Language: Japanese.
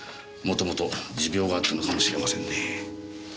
もともと持病があったのかもしれませんね。